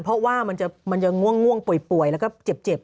เพราะว่ามันจะง่วงป่วยแล้วก็เจ็บ